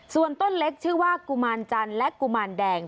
ส่วนต้นเล็กชื่อว่ากุมารจันทร์และกุมารแดง